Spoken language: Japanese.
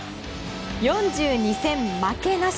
４２戦負けなし。